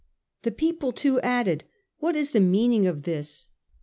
The people, too, added, ' What is the meaning of this